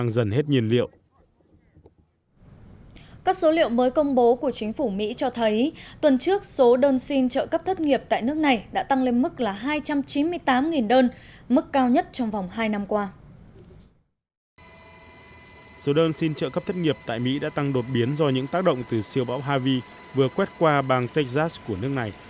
số đơn xin trợ cấp thất nghiệp tại mỹ đã tăng đột biến do những tác động từ siêu bão harvey vừa quét qua bang texas của nước này